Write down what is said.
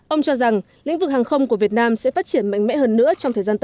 ông cho rằng lĩnh vực hàng không của việt nam sẽ phát triển mạnh mẽ hơn nữa trong thời gian tới